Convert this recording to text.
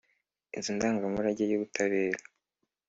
Inzu ndangamurage y’ibutare.